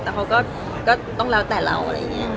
แต่เค้าก็ต้องแล้วแต่เรา